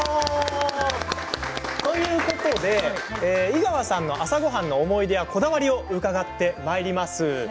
井川さんの朝ごはんの思い出やこだわりを伺ってまいります。